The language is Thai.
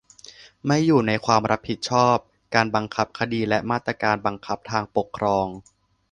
"ไม่อยู่ในความรับผิดแห่งการบังคับคดีและมาตรการบังคับทางปกครอง"